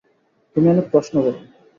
তুমি অনেক প্রশ্ন করো।